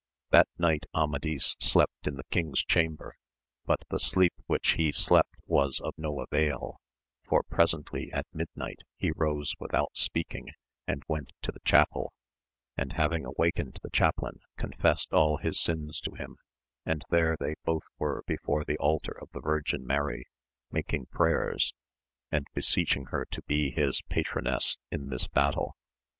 That night Amadis slept in the king's chamber, but the sleep which he slept was of no avail, for presently at midnight he rose without speaking, and went to the chapel, and having awakened the chaplain confessed all his sins to him, and there they both were before the altar of the Virgin Mary making prayers, and beseeching her to be his patroness in this battle.